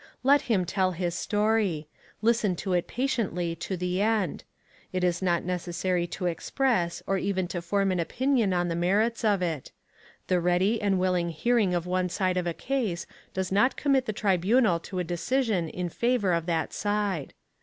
Let him tell his story. Listen to it patiently to the end. It is not necessary to express or even to form an opinion on the merits of it. The ready and willing hearing of one side of a case does not commit the tribunal to a decision in favor of that side.